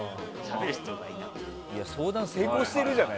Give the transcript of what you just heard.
相談成功してるじゃない。